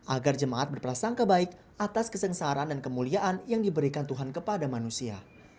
agar jemaat berprasangka baik atas kesengsaraan dan kemuliaan yang diberikan tuhan kepada manusia